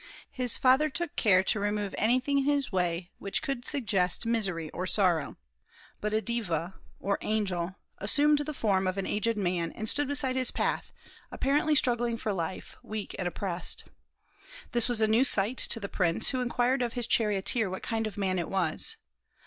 His father took care to remove everything in his way which could suggest misery and sorrow; but a deva, or angel, assumed the form of an aged man, and stood beside his path, apparently struggling for life, weak and oppressed. This was a new sight to the prince, who inquired of his charioteer what kind of a man it was.